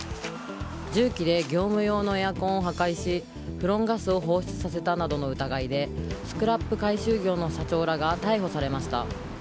重機で業務用のエアコンを破壊しフロンガスを放出させたなどの疑いでスクラップ回収業の社長らが逮捕されました。